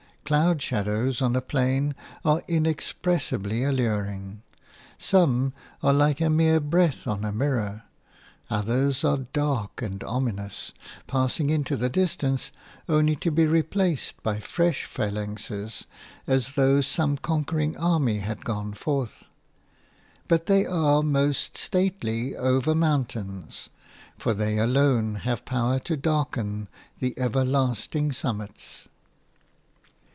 Cloud shadows on a plain are inexpressibly alluring. Some are like a mere breath on a mirror; others are dark and ominous, passing into the distance only to be replaced by fresh phalanxes, as though some conquering army had gone forth. But they are most stately over mountains, for they alone have power to darken the everlasting summits.